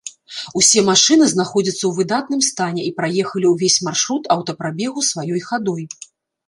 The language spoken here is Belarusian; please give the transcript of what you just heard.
Усе машыны знаходзяцца ў выдатным стане і праехалі ўвесь маршрут аўтапрабегу сваёй хадой.